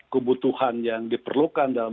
kebutuhan yang diperlukan dalam